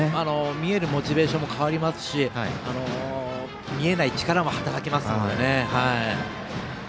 見えるモチベーションも変わりますし見えない力も働きますので。